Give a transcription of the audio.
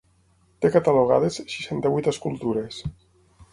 Té catalogades seixanta-vuit escultures.